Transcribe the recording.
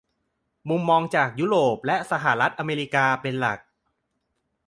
มุมมองจากยุโรปและสหรัฐอเมริกาเป็นหลัก